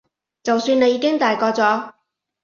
就算你已經大個咗